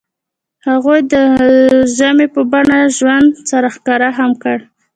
هغوی د ژمنې په بڼه ژوند سره ښکاره هم کړه.